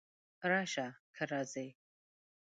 راشه! که راځې!